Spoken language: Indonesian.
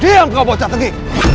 diam kau bocah tegi